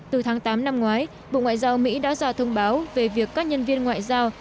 từ tháng tám năm ngoái bộ ngoại giao mỹ đã ra thông báo về việc các nhân viên ngoại giao